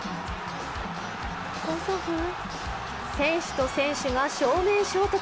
選手と選手が正面衝突。